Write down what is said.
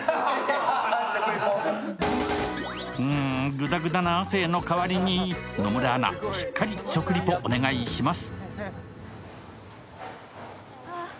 ぐだぐだな亜生の代わりに野村アナ、しっかり食リポお願いします